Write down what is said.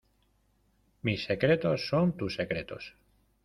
mis secretos son tus secretos.